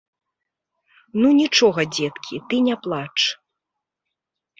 Ну, нічога, дзеткі, ты не плач.